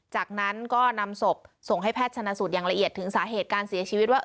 จากนั้นก็นำศพส่งให้แพทย์ชนะสูตรอย่างละเอียดถึงสาเหตุการเสียชีวิตว่า